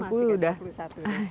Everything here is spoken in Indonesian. aku masih ke tiga puluh satu